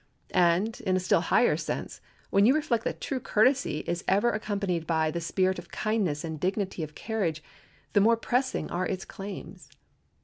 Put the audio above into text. And, in a still higher sense, when you reflect that true courtesy is ever accompanied by the spirit of kindness and a dignity of carriage the more pressing are its claims.